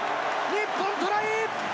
日本、トライ！